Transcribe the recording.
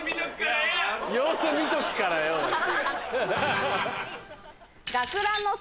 「様子見とくからよ」だって。